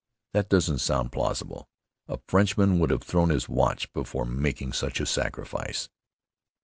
That doesn't sound plausible. A Frenchman would have thrown his watch before making such a sacrifice!